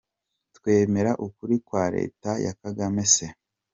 Twemera ukuri kwa leta ya Kagame se?